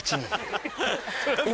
今。